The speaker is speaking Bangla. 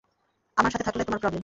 আমার সাথে থাকলে তোমার প্রবলেম।